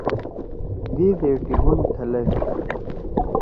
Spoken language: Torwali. دِے دے ٹِگون تھلَدی۔